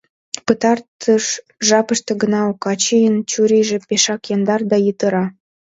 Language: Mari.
Пытартыш жапыште гына Окачийын чурийже пешак яндар да йытыра.